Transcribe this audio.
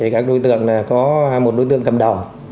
các đối tượng có một đối tượng cầm đầu